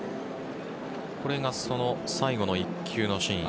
これが最後の１球のシーン。